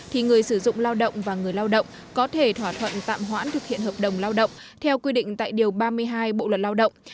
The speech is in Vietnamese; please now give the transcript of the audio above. thì người sử dụng lao động và người lao động có thể thỏa thuận tạm hoãn thực hiện hợp đồng lao động theo quy định tại điều ba mươi hai bộ luật lao động